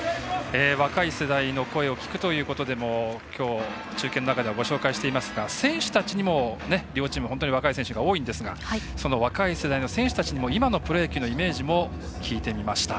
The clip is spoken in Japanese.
若い世代の声を聴くということでもきょう、中継の中ではご紹介していますが選手たちにも、両チーム本当に若い選手が多いんですがその若い世代の選手たちにも今のプロ野球のイメージも聞いてみました。